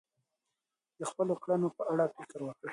د خپلو کړنو په اړه فکر وکړئ.